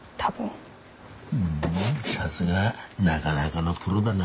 ふんさすがなかなかのプロだな。